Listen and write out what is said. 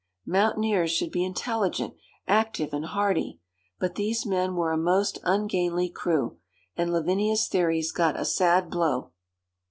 Mountaineers should be intelligent, active, and hardy; but these men were a most ungainly crew, and Lavinia's theories got a sad blow.